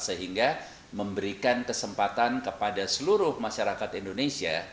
sehingga memberikan kesempatan kepada seluruh masyarakat indonesia